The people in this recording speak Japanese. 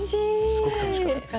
すごく楽しかったです。